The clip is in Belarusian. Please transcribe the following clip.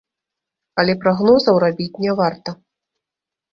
Але прагнозаў рабіць не варта.